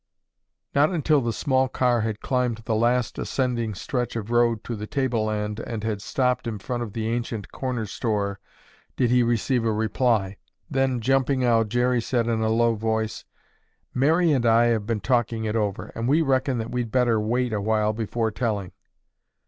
Not until the small car had climbed the last ascending stretch of road to the tableland and had stopped in front of the ancient corner store did he receive a reply. Then, jumping out, Jerry said in a low voice, "Mary and I have been talking it over and we reckon that we'd better wait awhile before telling."